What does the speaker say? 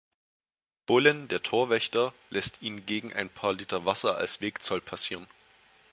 Bullen der Torwächter lässt ihn gegen ein paar Liter Wasser als Wegzoll passieren.